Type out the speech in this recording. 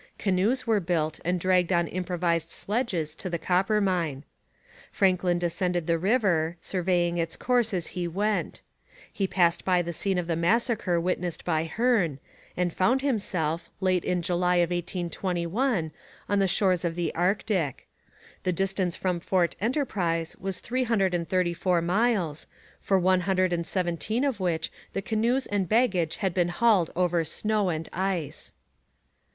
Canoes were built and dragged on improvised sledges to the Coppermine. Franklin descended the river, surveying its course as he went. He passed by the scene of the massacre witnessed by Hearne, and found himself, late in July of 1821, on the shores of the Arctic. The distance from Fort Enterprise was three hundred and thirty four miles, for one hundred and seventeen of which the canoes and baggage had been hauled over snow and ice.